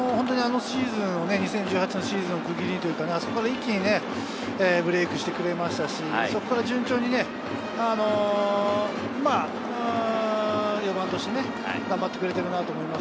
２０１８年のシーズンの時に、一気にブレークしてくれましたし、そこから順調に４番として頑張ってくれているなと思います。